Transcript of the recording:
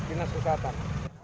pemerintah kota bekasi menyebutkan